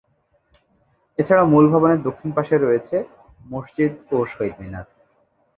এছাড়া মূল ভবনের দক্ষিণ পাশে রয়েছে মসজিদ ও শহীদ মিনার।